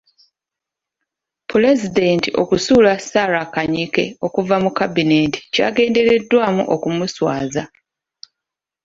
Pulezidenti okusuula Sarah Kanyike okuva mu kabineeti kyagendereddwamu okumuswaza.